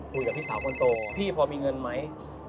พี่สาวคนโตพี่พอมีเงินไหม